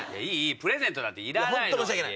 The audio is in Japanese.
プレゼントなんていらない。